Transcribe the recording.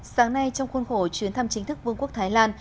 sáng nay trong khuôn khổ chuyến thăm chính thức vương quốc thái lan